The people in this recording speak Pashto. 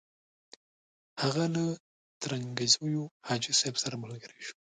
هغه له ترنګزیو حاجي صاحب سره ملګری شو.